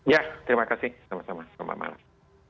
ya terima kasih sama sama selamat malam